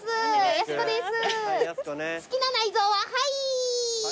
好きな内臓は肺！